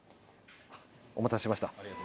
「お待たせしました。